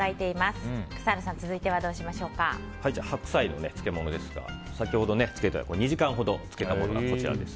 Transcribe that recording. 白菜の漬物ですが先ほどから２時間ほど漬けたものがこちらになります。